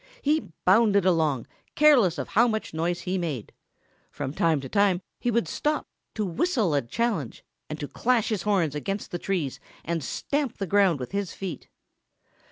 He bounded along, careless of how much noise he made. From time to time he would stop to whistle a challenge and to clash his horns against the trees and stamp the ground with his feet.